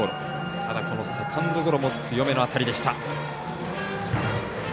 ただ、セカンドゴロも強めの当たりでした。